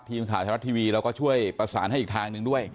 ทีมข่าวไทยรัฐทีวีเราก็ช่วยประสานให้อีกทางหนึ่งด้วย